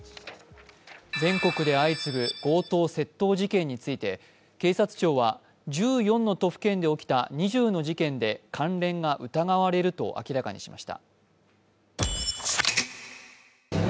全国で相次ぐ強盗・窃盗事件について警察庁は、１４の都府県で起きた２０の事件で関連が疑われると明らかにしました。